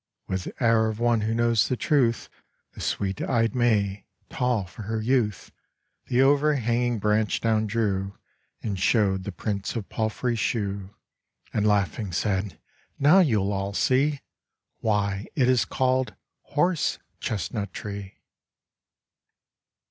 With air of one who knows the truth, The sweet eyed May, tall for her youth, The overhanging branch down drew, And shewed the prints of palfrey's shoe And laughing said: "Now you all see Why it is called Horse Chestnut tree."